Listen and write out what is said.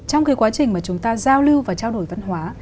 trong cái quá trình mà chúng ta giao lưu và trao đổi văn hóa